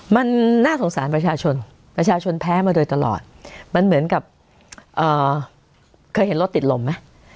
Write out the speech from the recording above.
มันน่าสงสารประชาชนประชาชนแพ้มาโดยตลอดมันเหมือนกับเอ่อเคยเห็นรถติดลมไหม